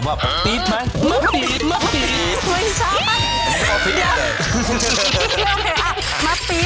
แม่งชาติ